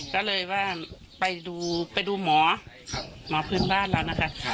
ก็เลยว่าไปดูหมอหมอพื้นบ้านเรานะคะ